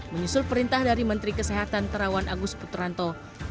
menyusul perintah dari menteri kesehatan terawan agus putranto